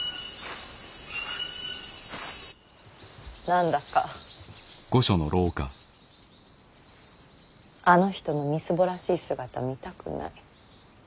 何だかあの人のみすぼらしい姿見たくない。